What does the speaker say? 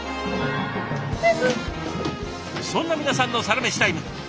そんな皆さんのサラメシタイム。